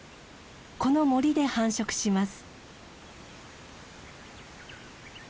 この森で繁殖します。